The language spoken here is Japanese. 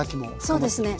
そうですね。